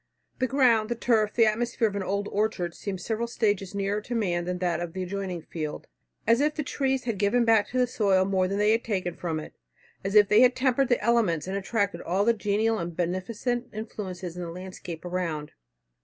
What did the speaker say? The ground, the turf, the atmosphere of an old orchard, seem several stages nearer to man than that of the adjoining field, as if the trees had given back to the soil more than they had taken from it; as if they had tempered the elements and attracted all the genial and beneficent influences in the landscape around.